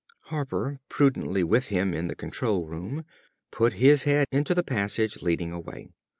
Harper, prudently with him in the control room, put his head into the passage leading away.